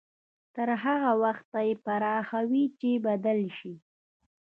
تر هغه وخته يې پراخوي چې بدل شي.